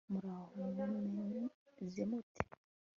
muraho, mumeze mute